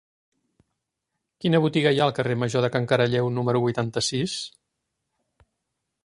Quina botiga hi ha al carrer Major de Can Caralleu número vuitanta-sis?